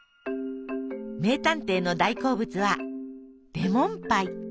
名探偵の大好物はレモンパイ。